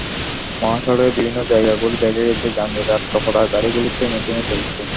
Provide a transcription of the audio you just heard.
মহাসড়কের বিভিন্ন জায়গা ঘুরে দেখা গেছে, যানজটে আটকা পড়া গাড়িগুলো থেমে থেমে চলছে।